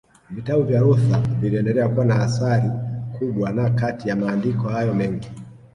Vitabu vya Luther viliendelea kuwa na athari kubwa na Kati ya maandiko hayo mengi